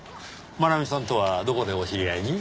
真奈美さんとはどこでお知り合いに？